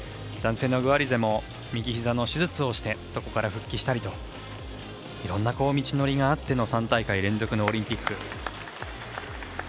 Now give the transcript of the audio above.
男性の、グアリゼも右ひざの手術をしてそこから復帰したりといろんな道のりがあっての３大会連続のオリンピック。